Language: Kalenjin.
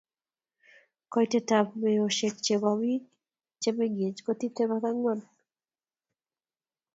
Koitetab meosiek chebo. Bik che mengech ko tiptem ak angwan